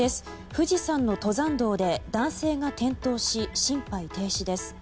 富士山の登山道で男性が転倒し心肺停止です。